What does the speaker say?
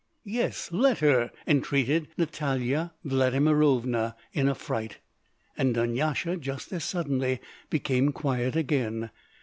"Yes, let her," entreated Natalya Vladimirovna in a fright. And Dunyasha just as suddenly became quiet again.